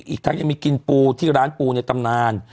อีกทั้งยังมีกินปูที่ร้านปูในตำนาน